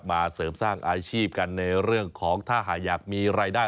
เสริมสร้างอาชีพกันในเรื่องของถ้าหากอยากมีรายได้